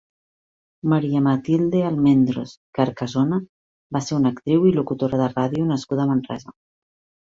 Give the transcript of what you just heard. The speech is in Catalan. Maria Matilde Almendros i Carcasona va ser una actriu i locutora de ràdio nascuda a Manresa.